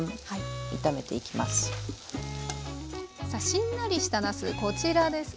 しんなりしたなすこちらです。